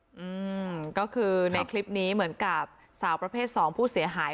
เนี้ยก็คือในคลิปนี้เหมือนกับสาวประเภท๒พูดเสียหาย